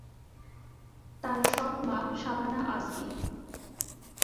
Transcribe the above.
তার সৎ মা শাবানা আজমি।